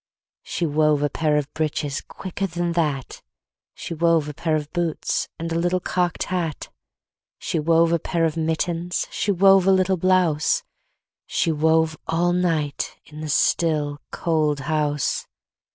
She wove a pair of breeches Quicker than that! She wove a pair of boots And a little cocked hat. She wove a pair of mittens, She wove a little blouse, She wove all night In the still, cold house.